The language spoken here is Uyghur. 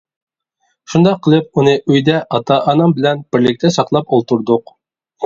شۇنداق قىلىپ ئۇنى ئۆيدە ئاتا-ئانام بىلەن بىرلىكتە ساقلاپ ئولتۇردۇق.